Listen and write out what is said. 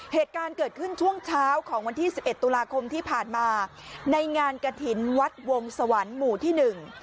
เหตุการณ์เกิดขึ้นช่วงเช้าของวันที่สิบเอ็ดตุลาคมที่ผ่านมาในงานกระถิ่นวัดวงสวรรค์หมู่ที่หนึ่ง